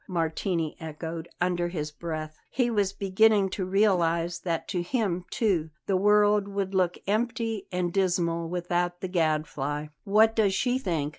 Martini echoed, under his breath. He was beginning to realise that to him, too, the world would look empty and dismal without the Gadfly. "What does she think?"